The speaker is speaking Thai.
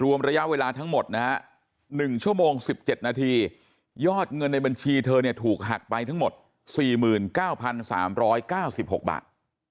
ระยะเวลาทั้งหมดนะฮะ๑ชั่วโมง๑๗นาทียอดเงินในบัญชีเธอเนี่ยถูกหักไปทั้งหมด๔๙๓๙๖บาท